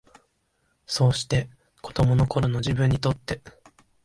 そうして、子供の頃の自分にとって、